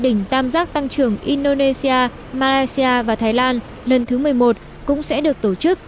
đỉnh tam giác tăng trưởng indonesia malaysia và thái lan lần thứ một mươi một cũng sẽ được tổ chức